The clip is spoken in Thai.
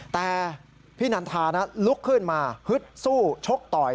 แต่พี่นันทาลุกขึ้นมาฮึดสู้ชกต่อย